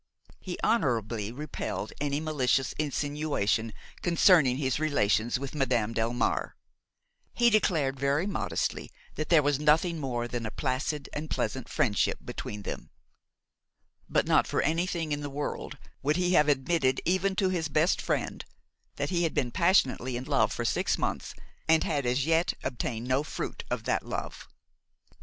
He honorably repelled any malicious insinuation concerning his relations with Madame Delmare; he declared very modestly that there was nothing more than a placid and pleasant friendship between them; but not for anything in the world would he have admitted, even to his best friend, that he had been passionately in love for six months and had as yet obtained no fruit of that love.